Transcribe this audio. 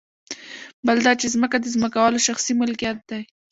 بل دا چې ځمکه د ځمکوالو شخصي ملکیت دی